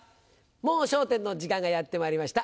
『もう笑点』の時間がやってまいりました。